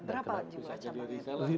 berapa juga cabangnya